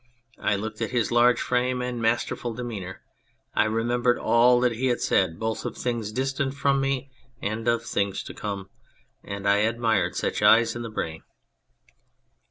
I looked at his large frame and masterful demeanour. I remembered all that he had said, both of things distant from me and of things to come, and I admired such eyes in the brain.